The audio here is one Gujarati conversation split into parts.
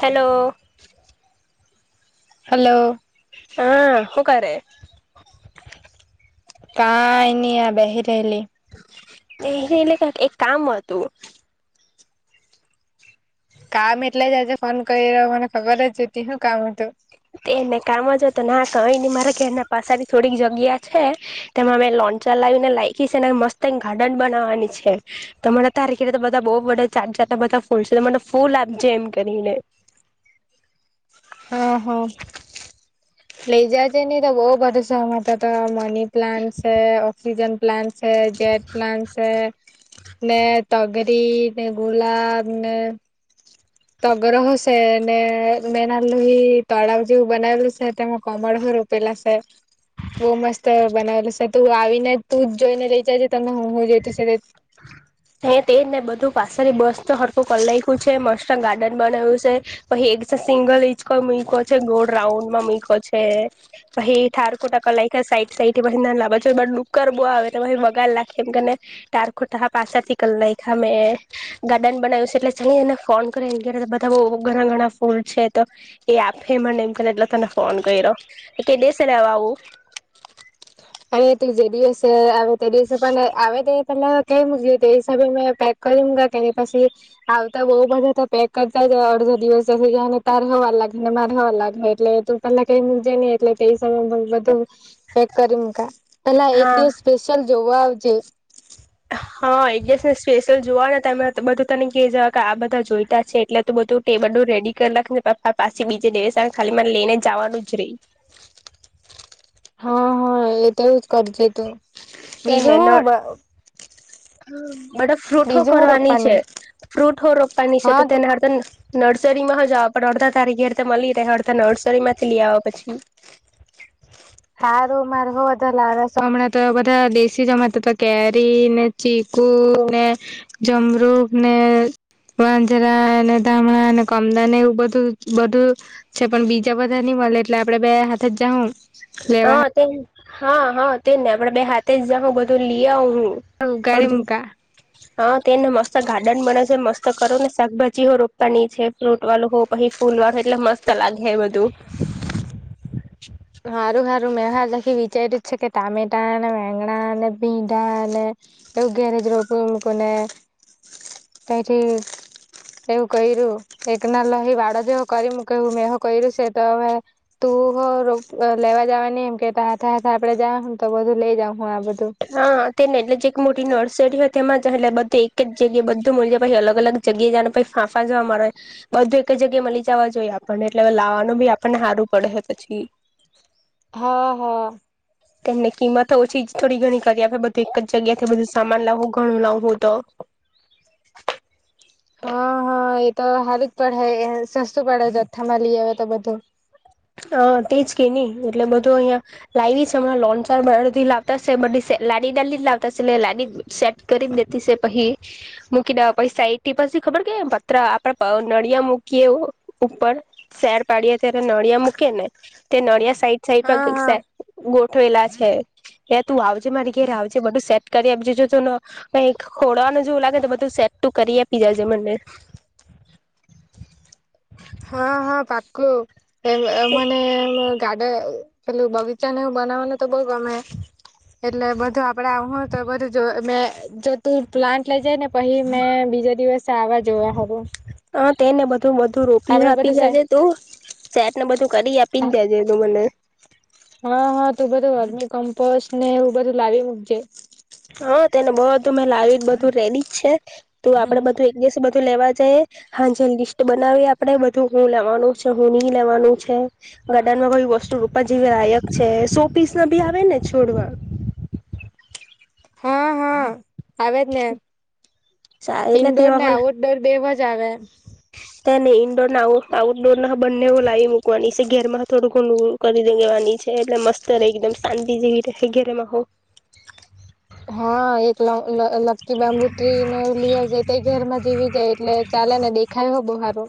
હલો હલો હા હું કરે? કાંઈ નય આ બેહી રહેલી. એને એ એક કામ હતું. કામ એટલે જ આજે ફોન કરી રહ્યો મને ખબર જ જોતી શું કામ હતું. એને કામ જ હો તો ના કઈ નહી મારે કે એના પાસાની થોડીક જગ્યા છે તેમાં મે ચલાવીને લાયકી છે મસ્ત ગાર્ડન બનાવાની છે તમારે તારખ બધા બઉ બે જેટલા બધા ફૂલ છે મને ફૂલ આપજે એમ કરીને હા હા લઈ જાયજે નને તો બહ ભરોસા માટે હતા તો મની પ્લાન્ટસ છે ઓક્સીજન પ્લાન્ટ છેે જેટ પ્લાન્ટસ છે. ને તગરી ને ગુલાબ ને તગર હ સ ને મે નાલું હ તળ જેવું બનાલ સ ત કમળ હ. રોલા છે બહ મસ્ત બનાવેલ છે તું આવીને તું જ જોઈને રઈ જજે. હો હો જઈ તોશે. પાછની બસ તો હડકુ કર નાયખું છે મસ્ત ગાર્ડન બનાવ્યું છે પછી એક સિંગલ હિંચકોય મુ મ છે ગોળ રાઉન્ડમાં મૂયકો છે પછ [unintelligible] પછી ડુકર બવ આવે તો પછી બગાડ નાખે. કેમ કે એને ટારખુટા પાછા થી કર નાયખામેં ગાર્ડન બનાવ્યું છે એટલે જલ્દી એને ફોન બધા બ ઘણા ઘણા ફૂલ છે તો એ આપે મને એમ કરીને એટલે તને ફોન કર્યો. કે દસર વા આવું. અ તે જે દિવસ છે તે દીવસે પણ એ આવે પેલા ક મુકી તે હિસાબે મેં પેક કરી કેની પછી આવતા બઉ બધા તો પેક કરતાય અડધો દિવસ જને તાર હોવા લાગે ને માર હોવા લાગે એટલે તું પલા કઈ મજેહીઈ એટલે બધું હેક કરી મ પેલા એક હા દિવ સ્પેશિયલ જોવા આવજે. હ. હા એક દસ ને સ્પેશિયલ જોવા ને તમે બધું તને ક જવા કે આ બધા જોઈતા છે એટલે ત બધું ટેબલ રેડી કરખ પપા પાછસે બીજે દેસને ખાલીને લઈને જવાનું જ રહી. [inaudible] હા હા એ તો એજ કરીજ તું તેને બીજું હ બધા ફ્રૂટો હું કરવાની છે રોપવાની ફ્રૂટો રોપવાની છે હા તો તેના હાટ તેને નડ નર્સરી માં હ જવા પણ અડધા તારીખે અ મળી રહે અડધા નર્સરી માંથી લઈ આવવા પછી. સારું માર હો બધા લામણાં તો બધા દેશી જમતા તો કેરી ને ચી હક ને જમરુખ ને વાંજરા અને ધામણા કમદાન એવું બધું બધું છે પણ બીજા બધાની એટલે આપડ બે હા જ જાઉં હા તે હા હા તે ને આપડે બે હાથે જ જા બધું લઈ આવ હું. ઉગાડી અડધું મૂકા હા તેને મસ્ત ગાર્ડન બને છે મસ્ત. કરો નેાકભાજી રોપવાની છે ફ્રૂટ વાળું હો પછી ફૂલ વાળું એટલે મત લાગે. હ બધું સારું સારું મે હા લખી વિચાર્યું જ છે કે ટામેટાને વગણા અને ભીંડા ને યોગ્ય રજ્રો કોમ કોને પંઠી એવું કું એક ના લહી બાળ જેવો કરી કહું મે હું કયરું સે તો તુ હો લેવા જવાની એમ કેતા હાથે હાથે આપડે જા તો બધું લઇ જાં હું આ બધું. હા તેને એટલે જે મોટી નર્સરી હોય તેમાં એટલે બધ એક જગ્યા બધું મ પછી અલગ અલગ જગ્યા જને પછી ફાંફા જોવા મળે. બધું એક જગ્યાએ મળ લી જવા જોઈએ આપણને એટલે હ લાવવાનું બી આપણને સારું પડે પછી. હા હા તેમને કિંમત ઓછી થોડી ઘણી કરી આપે બધું એક જ જગ્યા થી બધું સામાન લાવવું ઘણું લાવવું તો [inaudible] હા હા એ તો સારું જ પડે સસ્તું પડે જથ્થામાં લ હ તો બધું અ તેજ કે નહી એટલે બધો અહિયાયા લાવી છે હમણાં લોનચાર બરાથી લાવતાશે બ લની ડલી લાવતા લની સેટ કરીને દેતી પછ મૂકી પૈસા એઈટી પી ખબર કે પત્ર આપડે નળિયા મૂકીએ ઉપર સેર પાડીએ ત્યારેળ નળિયા મૂકે ને તે નળિયા સાઈડ હા હા સાઈડ ગોઠવેલા છે એ તું આવજે મારી ઘેરે આવજે બધું સેટ કરી આપજે જો ત કઈ ખોડવાનું જોવું લાગે તો બધું સેટ કરી આપી જજે મને હા હા પાકું એ મ મને ગાડ પેલું બગીચાને હું બનાવાનું તો બહુ ગમે એટલે બધું આપડે હું તો બધું જો મેં જો તું પ્લાન્ટ લઈ જઈ ને પછી મેં બીજા દિવસે આવા જોવા હ હ તેને બધું બધું રોપી બધું આપી સે જજે તું સેટને બધું કરી આપીને જજે તો મને હા હા તું બધું હરમી કમ્પોસ્ટ ને એવ બધું લાવી મૂકજે હા તેને બહધું મેં લાવી બધું રેડી જ છે તું હમ આપડે બધું એક દિવસ બધું લેવા જઈએ હા જે લિસ્ટ બનાવી આપડે બધું હું લેવાનું છે હું નહ લેવાનું છે ગાર્ડન માં કોઈ વસ્તુ રૂપ જેવી લાયક છે સો પીસ ના બી આવે ને છોડવા હા હા આવે જ ને એટલે ઇન્ડોર તેવા ને આઉટડોર બે વષ જાવે ત ને ઈન્ડોર આઉટડોર ના બંને લાવી મૂકવાની છે ઘેરમાં તોડું ઘ ખું કરી દે છે એટલે મસ્ત રહે એકદમ શાંતિ જેવી રહે ઘરેમાં હો હા એકલા લક્કી બાંબુ ત્રી ને લી આવ જાય તે ઘેરમાં જીવી જાય એટલે ચાલે ને દેખાય હો બો સારો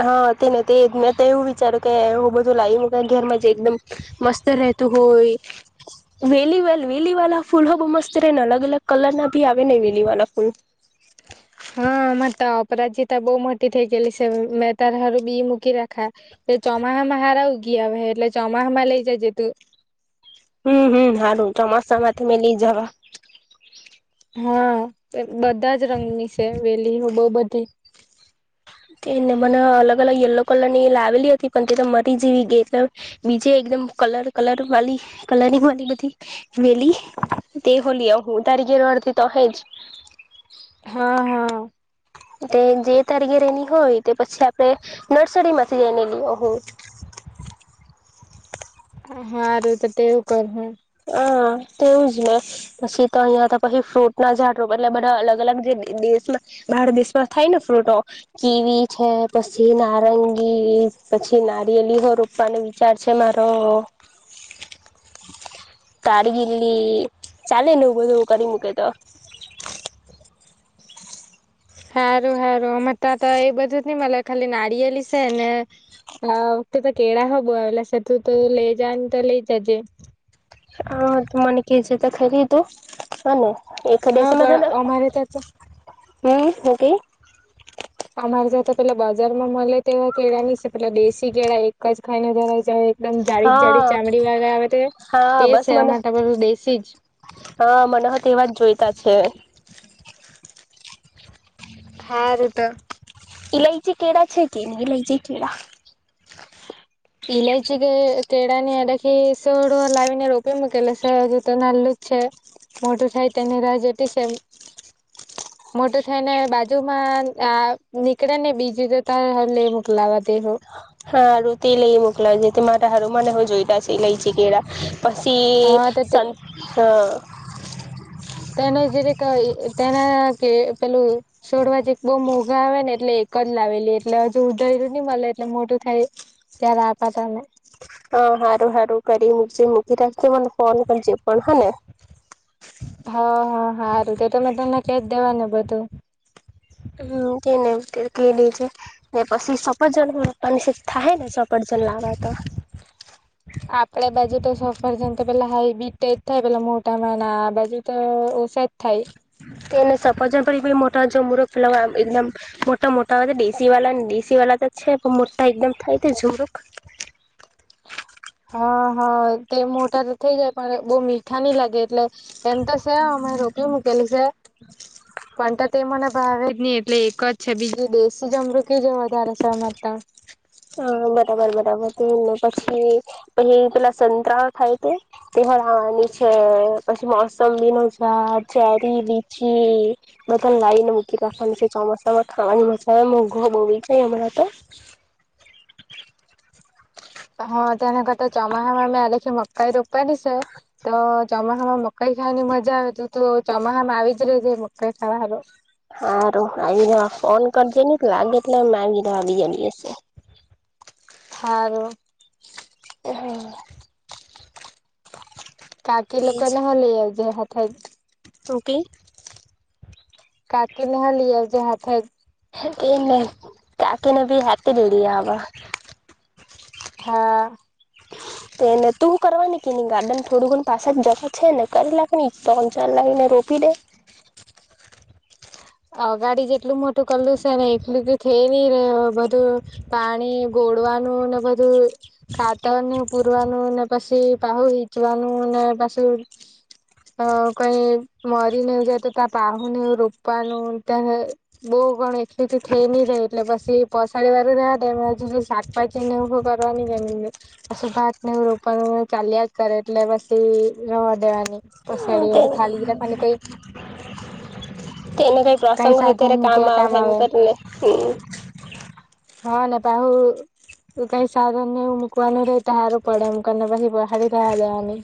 હા તે ને તે જ મેં તો એવું વિચાર્યું કે હું બધું લાવીક ઘરમાં જે એકદમ મસ્ત રહેતો હોય વેલી વા વેલી વાળ ફૂલ બ મસ્ત રહે ને અલગ અલગ કલર ના ભી આવે ને વેલી વાળ ફૂલ [unintelligible] હા હરે તો અપરાજીતા બહ મોટી થઈ ગયેલી છે મેં તાર હારું બી મૂકી રાખા એ ચોમાસામાં હારું ગયા હ એટલે ચોમાસામાં લઈ જજે તું હમ હમ હારું ચોમાસામાંથી મે લઈ જવા હા બધા જ રંગની છે વેલી બહ બધી તેને મને અલગ અલગ યલો કલર ની લાવેલી હતી પણ તે તો મરી જવી ગઈ એટલે બીજ એકદમ કલર કલર વાલી કલરિંગ વાળલી બધી વેલી તે હોલી હું તારી ર્તી તોહેજ હા હા તે જે તરગ રેની હોય તે પછી આપડે નર્સરી માંથી જઈને લ હું હા હું તો તેવું કર હા તેવું જ ને પછી તો અહિયાં તો પછી ફ્રૂટ ના ઝાડો એટલે બધા અલગ અલગ જે દેશ ભારત દેશમાં થાય ને ફ્રૂટો કેવી છે પછી નારંગી પછી પછી નારીયેલી હો રૂપવાનો વિચાર છે મારો તારગીલી ચાલેને એવું બધુંવું કરી મૂકે તો સારું સારું મ તા તો એ બધું નઈ મ ખાલી નારિયેલી છે ને તું તો કેળા હવ એલેથીું તો લઈ જને તો લઈ જજે હ તો મને કે જતા ખેરી તું હને એખાદ હા સમ પણ અમારે ત્યાં તો હમ હ કઈ અમારે જાતા પેલા બજાર માં મળે તેવા કેળા નની છે પેલા દેશી કેળા એક જ ખાઈને ધરાઈ જ એકદમ જાડી જ હા જાડી ચામડી વાગર આવે તે હા બસ છે મને એમાં તમા બું દેશી જ હા મને હ તો એવા જ જોઈતા છે હા રૂટ ઈલાયચી કેળા છે કે નહી લઈ જે કેળા ઇલાયચી કે કેળા ની આડાખી સોડવુ લાવીને રોપી મૂકેલા છે, હજુ તો નાલું જ છે. મોટુ થાય તેની રાહ જોતી છે. મોટું થઈ ને બાજુમાં આ નીકળે ને બીજું તો તય હ લે મોકલાવા તેહો હા રુતી લે મોકલાવ જે તે મારા હારું મને હો જોઈતા છે, ઈલાયચી, કેળા પછી હા તો સ તે તેને જીરીક તેના કે પેલું છોડવા જીક બો મોઘા આવે ને એટલે એક જ લાવેલી એટલે હજુ ઉધયરું ની મલે એટલે મોટું થાય ત્યારે આપા તને હ હારું હારું કરી મુકજે મૂકી રાખીજે મને ફોન કરજે પણ હ ને હ હ હારું તે તો મે તને કેજ દેવાને બધું હમ તેને કે દે જે ને પછી સપરજન [unintelligible] થાહે ને સફરજન લાવલા હતા આપડે બાજુ તો સફરજન તો પેલા હાય બી ટે ડ થાય પેલા મોટા માના આબાજુ તો ઓસા એને સફરજન પર એ પેલા મોટા જમરૂખ મતલબ આમ એકદમ મોટા મોટા હોય ડેસી વાલા ને ડેસી વાલા તો છે, પણ મોટા એકદમ થાય તે જમરૂખ [inaudible] હા હા તે મોટા તો થઈ જાય પણ બો મીઠા ની લાગે એટલે એમ તો છે અમે રોપી મૂકેલી છે, પણ તો તે મને ભાવે જ ની એટલે એક જ છે બીજું દેશી જમરૂખી જ વધારે છે, અમારતા હા બરાબર બરાબર તેને પછી પેલી પેલા સંતરા થાય તે [unintelligible] ની છે પછી મોસમબીનુ ઝાડ ચેરી, લીચી, લાવીને મૂકી રાખવાની છે, ચોમાસામાં ખાવાની મજા આવે મોઘો હો બી જાય હમણાં તો હ તેના કરતા ચમાહામા મે આ દાખી મકાઈ રોપાની સે તો ચમાહામા મકાઈ ખાવાની મજા આવે તો તો ચોમાહામાં આવી જ રેજે મકાઈ ખાવા હારુ હારું આવી રેવા ફોન કરજે ની લાગે એટલે મે આવી રેવા બીજા દિવસે હારુ, હમ. કાકી તેજ લોકોને હો લે આવજે હાથે જ હું કેય કાકીને હો લે આવજે હાથે જ તેને કકીને ભી હાથે જ લે આવા હા. એને તું કરવાની કેની ગાર્ડન થોડું ઘણુ પાછળ જગા છે ને કરી લાખની તોન ચાર લા વીને રોપી દે અગાડી જેટલું મોટું કરલું છે, ને એટલું તો થઈ ની રે બધું પાણી ગો તોડવાનું ને બધું ખાતરનું પૂરવાનું ને પછી પાહુ હીચવાનું ને અને પાછું અ કઈ મરી નેવુ જાય તો તા પાહુ નેવુ રો પ્પાનું તાહે બોવ ઘણી એકલીથી થઈ ની રે એટલે પછી પસાડી વાળું રેવા દેમ અજી અજુ શાકભાજી નેવુ હો કરવાની કેની મે પસી ભાત નેવુ રોપનુ ચાલીયા જ કરે એટલે બસ રવાડેવાની હા પસાડી તે વાડુ ખાલી જ રાખવાની કંઈ [inaudible] તેને કઈ પ્રસંગ હોઈ સાધન ત્યારે કામ મૂકવા આવ હે એમ આવે કરીને હમ હા ને પાહુ તો કઈ સાધન ને એવું મૂકવાનું રેય ત હારું પડે એમ કરને પછી પહાડી રેવાડેવાની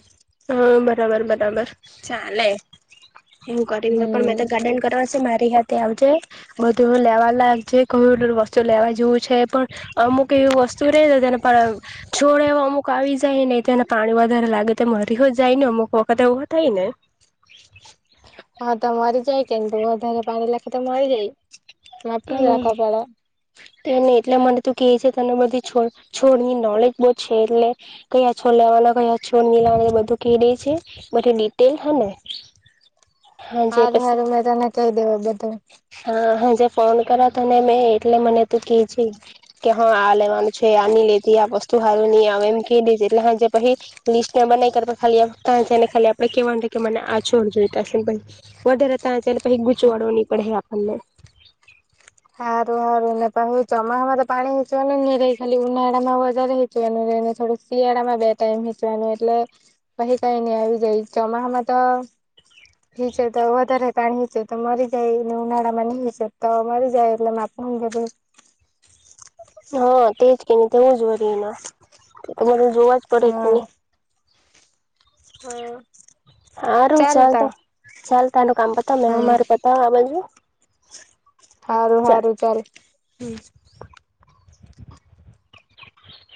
હા બરાબર બરાબર ચાલે એવું કરીને પણ મેં હમ તો ગાર્ડન કરવા મારી સાથે આવજે બધું લેવા લાગ જ કયુ વસ્તુ લેવા જેવું છે, પણ અમુક એવી વસ્તુ રેયને જેને પણ આમ છોડ એવો અમુક આવી જાયને તેને પાણી વધારે લાગે તેમા દહ જાય ને અમુકો કાથ એવુ થાયને હા તો મરી જાય કેમ વધારે પાણી નાખે તો મરી જાય માપ મા નાખવા પડે તોને એટલા મને તું કે છે તને બધી છોડ છોડ ની નોલેજ બહુ છે એટલે કયા છોડ લેવા ના ક્યાં છોડ ની લેવાના બધું કે દે છે બઘી ડિટેલ હ ને હાજે હારું પછી હારું મેં તને કહી દેવું બધું હા હાજે ફોન કરા તને મેં એટલે મને તું કે છે કે હા આ લેવાનું છે આની લેતી આ વસ્તુ સારું નહી આવે એમ ક દેજે એટલે હાંજે પછી લીસ્ટ બનાવી કળા તા જાયને ખાલી કેવાનું કે મને આ છોડ જોઈતાશે પછ વધારેતા છે પછી ગૂંચવાડો નહી પડે આપણને હારું હારું નેપા હ ચમા હમા તો પાણી હઈ ન ન ર ખાલી ઉનાડામા બજાર હઈ ન થોડું શિયાળામાં બે ટાઈમ હીચવાનું એટલે કઈ કઈ નહી આવી જાય ચોમાસામાં તો તો વધારે પાણી છે તો મરી જાયને ઉનાળા માં તો મરી જ જાય એટલે માપ ની બધી હા તેજ કે ન તેવું જ હો એના અરે જોવા જ પડે કે હા નહી સારું ચાલ તો ચાલતો ચાલ તનું કામ કતા મે હમ માર પતાઉં આ બાજુ સારું સારું ચાલ